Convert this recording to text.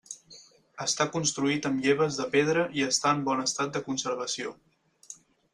Està construït amb lleves de pedra i està en bon estat de conservació.